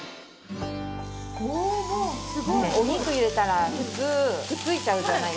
おおすごい！お肉入れたら普通くっついちゃうじゃないですか。